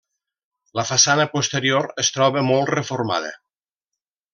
La façana posterior es troba molt reformada.